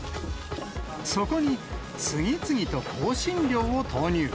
そこに次々と香辛料を投入。